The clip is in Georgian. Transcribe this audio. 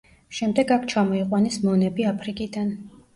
შემდეგ აქ ჩამოიყვანეს მონები აფრიკიდან.